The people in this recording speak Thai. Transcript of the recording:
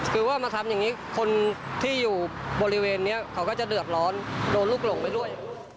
คือว่ามาทำอย่างนี้คนที่อยู่บริเวณนี้เขาก็จะเดือดร้อนโดนลูกหลงไปด้วย